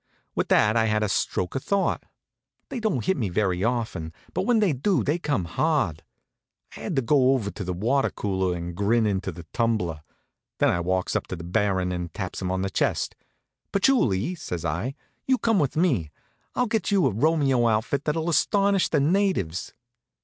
With that I had a stroke of thought. They don't hit me very often, but when they do, they come hard. I had to go over to the water cooler and grin into the tumbler. Then I walks up to the Baron and taps him on the chest. "Patchouli," says I, "you come with me. I'll get you a Romeo outfit that'll astonish the natives."